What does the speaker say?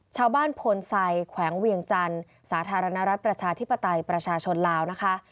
พลไซแขวงเวียงจันทร์สาธารณรัฐประชาธิปไตยประชาชนลาวนะคะ